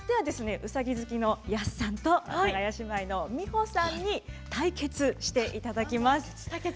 うさぎ好きの安さんと阿佐ヶ谷姉妹の美穂さんに対決していただきます。